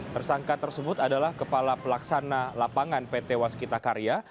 tersangka tersebut adalah kepala pelaksana lapangan pt waskita karya